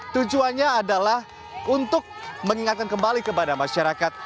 tujuannya adalah untuk mengingatkan kembali kepada masyarakat